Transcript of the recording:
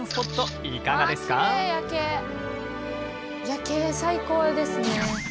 夜景最高ですね。